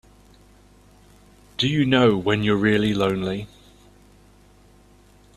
Do you know when you're really lonely?